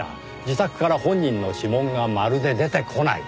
自宅から本人の指紋がまるで出てこない。